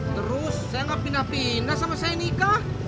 terus saya nggak pindah pindah sama saya nikah